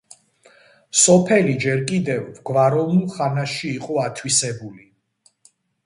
სოფელი ჯერ კიდევ გვაროვნულ ხანაში იყო ათვისებული.